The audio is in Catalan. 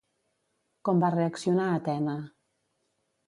Com va reaccionar Atena?